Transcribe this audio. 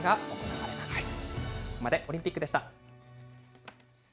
ここまでオリンピックでした。